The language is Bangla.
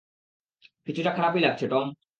কিছুটা খারাপই লাগছে, টম।